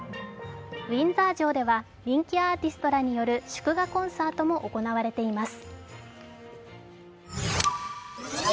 ウィンザー城では人気アーティストによる祝賀コンサートも行われています。